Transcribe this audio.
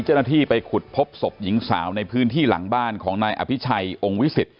เจ้าหน้าที่ไปขุดพบศพหญิงสาวในพื้นที่หลังบ้านของนายอภิชัยองค์วิสิต